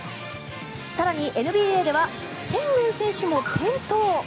更に、ＮＢＡではシェングン選手も転倒。